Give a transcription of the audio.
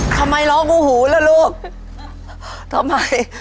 ทำไมร้องหูล่ะลูกทำไม